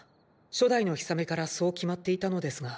初代のヒサメからそう決まっていたのですが。